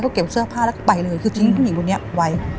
ก็เก็บเสื้อผ้าแล้วก็ไปเลยคือทิ้งผู้หญิงคนนี้ไว้